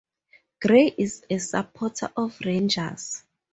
Gray is a supporter of Rangers.